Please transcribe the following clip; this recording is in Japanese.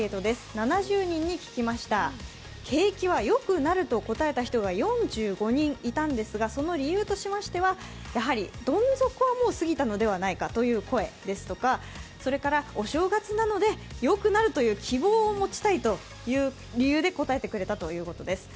７０人に聞きました、景気はよくなると答えた人が４５人いたんですがその理由としましては、どん底はもう過ぎたのではないかという声ですとか、お正月なのでよくなるという希望を持ちたいという理由で答えてくれたということです。